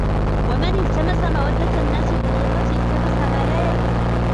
وَمَنْ الْتَمَسَ مَوَدَّةَ النَّاسِ بِالْغِلْظَةِ الْتَمَسَ مَا لَا يَكُونُ